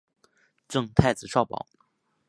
赠太子少保。